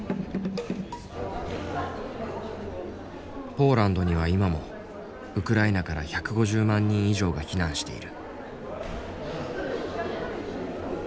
ポーランドには今もウクライナから１５０万人以上が避難している。